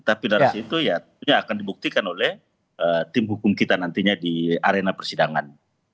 tapi dari situ ya akan dibuktikan oleh tim hukum kita nantinya di arena persidangan